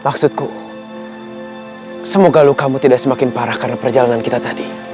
maksudku semoga lukamu tidak semakin parah karena perjalanan kita tadi